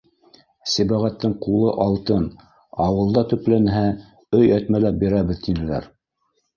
Сибәғәттең ҡулы алтын, ауылда төпләнһә, өй әтмәләп бирәбеҙ, тинеләр.